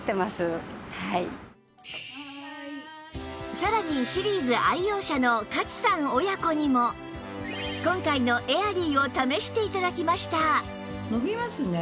さらにシリーズ愛用者の勝さん親子にも今回のエアリーを試して頂きました